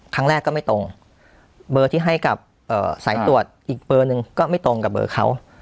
ก็ไม่ตรงเบอร์ที่ให้กับสายตรวจอีกเบอร์หนึ่งก็ไม่ตรงกับเบอร์เขา